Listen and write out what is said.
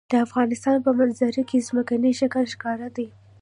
د افغانستان په منظره کې ځمکنی شکل ښکاره دی.